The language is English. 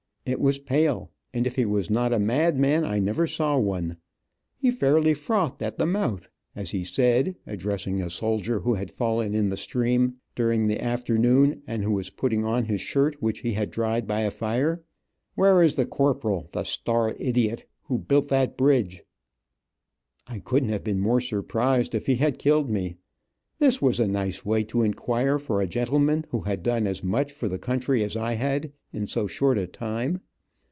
It was pale, and if he was not a madman, I never saw one. He fairly frothed at the mouth, as he said, addressing a soldier who had fallen in the stream, during the afternoon, and who was putting on his shirt, which he had dried by a fire: "Where is the corporal, the star idiot, who built that bridge?" I couldn't have been more surprised if he had killed me. This was a nice way to inquire for a gentleman who had done as much for the country as I had, in so short a time.